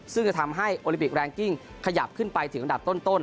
ซึ่งจะทำให้โอลิปิกแรงกิ้งขยับขึ้นไปถึงอันดับต้น